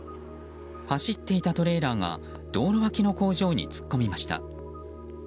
走っていたトレーラーが道路脇の工場に突っ込みました。